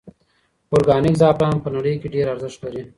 ارګانیک زعفران په نړۍ کې ډېر ارزښت لري.